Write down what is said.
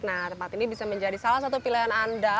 nah tempat ini bisa menjadi salah satu pilihan anda